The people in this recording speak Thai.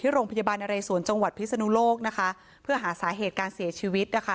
โรงพยาบาลนเรสวนจังหวัดพิศนุโลกนะคะเพื่อหาสาเหตุการเสียชีวิตนะคะ